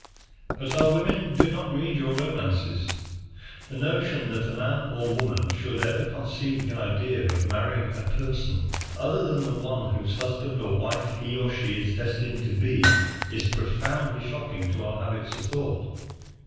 But our women do not read your romances. The notion that a man or woman should, ever conceive the idea of marrying a person other than the one whose husband or wife he or she is destined to be is profoundly shocking to our habits of thought.